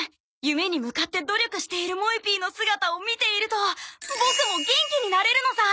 夢に向かって努力しているもえＰの姿を見ているとボクも元気になれるのさ！